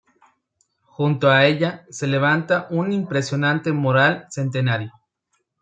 Junto a ella se levanta un impresionante moral centenario.